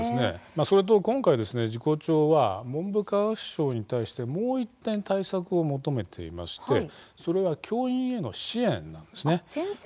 それと今回、事故調は文部科学省に対して、もう１点対策を求めていましてそれは教員への支援なんです。